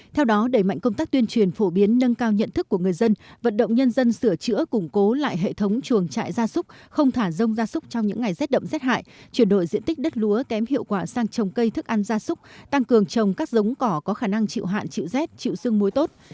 theo đó đẩy mạnh công tác tuyên truyền phổ biến nâng cao nhận thức của người dân vận động nhân dân sửa chữa củng cố lại hệ thống chuồng trại ra xúc không thả rông ra xúc trong những ngày z đậm z hại chuyển đổi diện tích đất lúa kém hiệu quả sang trồng cây thức ăn ra xúc tăng cường trồng các giống cỏ có khả năng chịu hạn chịu z chịu xương muối tốt